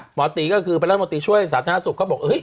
ตีก็คือเป็นรัฐมนตรีช่วยสาธารณสุขก็บอกเฮ้ย